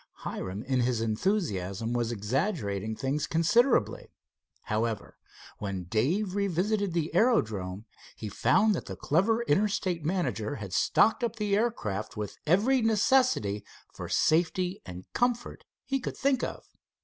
Hiram in his enthusiasm was exaggerating things considerably. However, when Dave revisited the aerodrome, he found that the clever Interstate manager had stocked up the aircraft, with every necessity for safety and comfort he could think of.